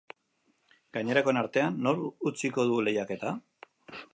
Gainerakoen artean, nork utziko du lehiaketa?